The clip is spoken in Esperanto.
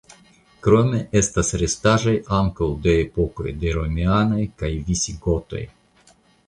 Krome estas restaĵoj ankaŭ de epokoj de romianoj kaj visigotoj.